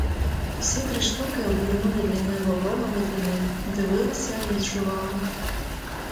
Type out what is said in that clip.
Всі три штуки обернули ліниво голови за ним, дивилися й жували.